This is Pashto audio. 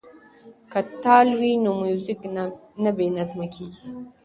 که تال وي نو موزیک نه بې نظمه کیږي.